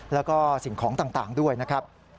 แล้วก็สิ่งของต่างด้วยนะครับ